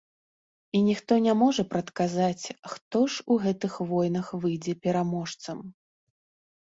І ніхто не можа прадказаць, хто ж у гэтых войнах выйдзе пераможцам.